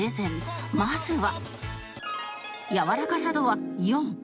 まずは